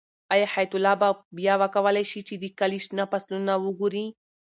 آیا حیات الله به بیا وکولی شي چې د کلي شنه فصلونه وګوري؟